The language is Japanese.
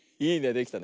できた。